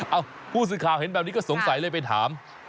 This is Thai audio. ผู้สื่อข่าวเห็นแบบนี้ก็สงสัยเลยไปถาม